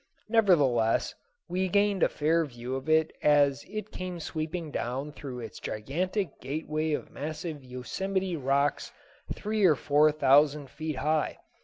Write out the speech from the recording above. Nevertheless, we gained a fair view of it as it came sweeping down through its gigantic gateway of massive Yosemite rocks three or four thousand feet high.